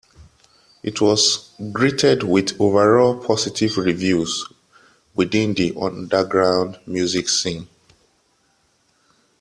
It was greeted with overall positive reviews within the underground music scene.